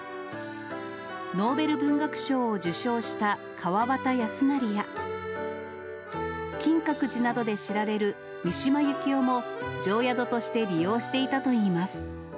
ノーベル文学賞を受賞した川端康成や、金閣寺などで知られる三島由紀夫も、定宿として利用していたといいます。